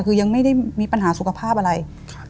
คือยังไม่ได้มีปัญหาสุขภาพอะไร